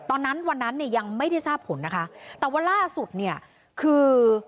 วันนั้นวันนั้นเนี่ยยังไม่ได้ทราบผลนะคะแต่ว่าล่าสุดเนี่ยคือ